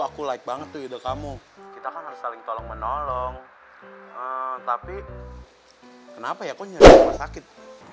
aku like banget tuh kamu kita kan harus saling tolong menolong tapi kenapa ya aku nyari ke sakit